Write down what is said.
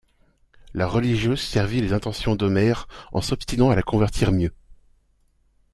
La religieuse servit les intentions d'Omer en s'obstinant à la convertir mieux.